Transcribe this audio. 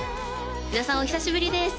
皆さんお久しぶりです